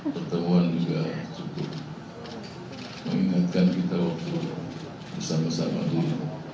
pertemuan juga cukup mengingatkan kita untuk bersama sama dulu